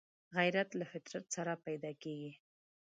غیرت له فطرت سره پیدا کېږي